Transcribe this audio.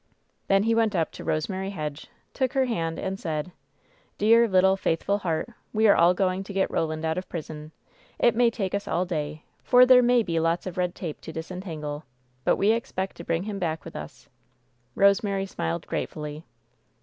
Then he went up to Rosemary Hedge, took her hand, and said : "Dear little, faithful heart, we are all going to get Koland out of prison. It may take us all day, for there may be lots of red tape to disentangle; but we expect to bring him back with us." Rosemary smiled gratefully.